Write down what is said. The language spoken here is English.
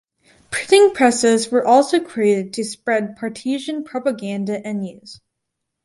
Printing presses were also created to spread partisan propaganda and news.